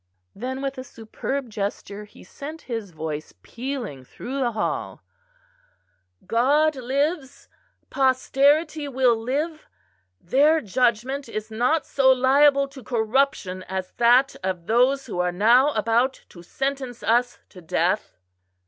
Then, with a superb gesture, he sent his voice pealing through the hall: "God lives, posterity will live; their judgment is not so liable to corruption as that of those who are now about to sentence us to death."